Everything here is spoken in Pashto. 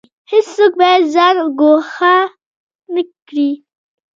هیڅوک باید ځان ګوښه نکړي